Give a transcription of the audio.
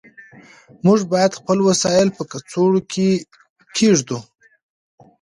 موږ باید خپل وسایل په کڅوړه کې کېږدو.